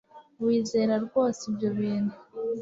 Wizera rwose ibyo bintu